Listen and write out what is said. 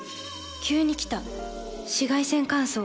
急に来た紫外線乾燥。